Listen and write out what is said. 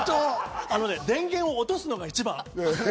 電源を落とすのが一番。